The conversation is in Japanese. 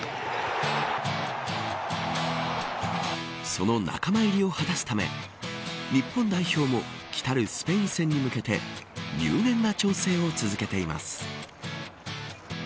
その仲間入りを果たすため日本代表も来るスペイン戦に向けて入念な調整を続けています。